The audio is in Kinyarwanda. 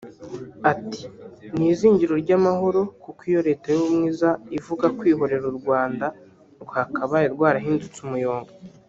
Ati “Ni ‘Izingiro ry’Amahoro’ kuko iyo Leta y’Ubumwe iza ivuga ‘kwihorera’ u Rwanda rwakabaye rwarahindutse umuyonga